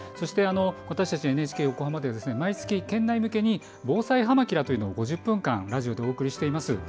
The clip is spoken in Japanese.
私たちＮＨＫ横浜では毎月県内向けに「防災はま☆キラ！」というのを５０分間ラジオでお送りしています。